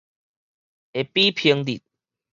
會比並得